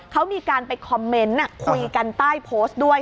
เขามีการไปคอมเมนต์คุยกันใต้โพสต์ด้วย